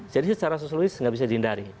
jadi secara sosiologis tidak bisa dihindari